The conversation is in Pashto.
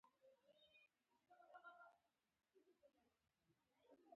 دا چې زبېښونکي بنسټونه په دولت کې د واکمنې طبقې لپاره ګټه تولیدوي.